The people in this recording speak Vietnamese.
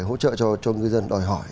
hỗ trợ cho ngư dân đòi hỏi